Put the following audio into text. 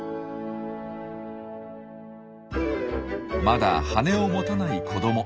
まだ羽を持たない子ども。